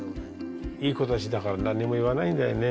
いい子たちだからなんにも言わないんだよね。